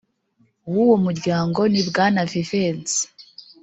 w uwo muryango ni bwana vivens